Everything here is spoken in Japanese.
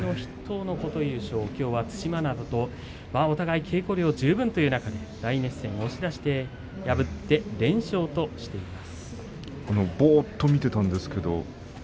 西の筆頭、琴裕将きょうは對馬洋とお互い稽古量十分という中で大熱戦押し出しで破って連勝としています。